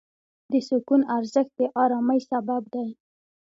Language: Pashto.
د سکون ارزښت د آرامۍ سبب دی.